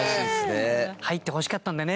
入ってほしかったんだよね